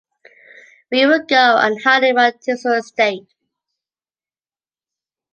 We will go and hide in my Tixul estate.